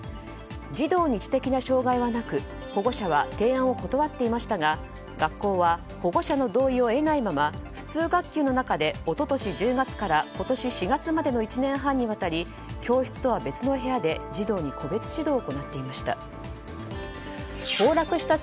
児童に知的な障害はなく保護者は提案を断っていましたが学校は保護者の同意を得ないまま普通学級の中で一昨年１０月から今年４月までの１年半にわたり教室とは別の部屋で児童に個別指導を行っていました。